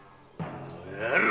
この野郎！